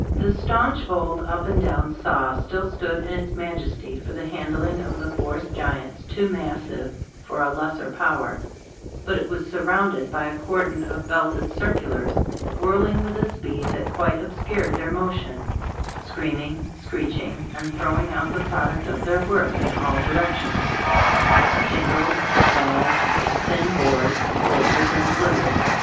The staunch old up and down saw still stood in its majesty Zbe Stove of i&v Cbti&boofc 75 for the handling of the forest giants too massive for a lesser power, but it was surrounded by a cordon of belt ed "circulars," whirling with a speed that quite obscured their motion, screaming, screeching and throwing out the product of their work in all directions ; shingles, laths, thin boards, bolters and slitters.